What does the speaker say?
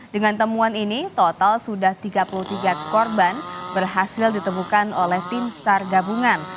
dengan temuan ini total sudah tiga puluh tiga korban berhasil ditemukan oleh tim sar gabungan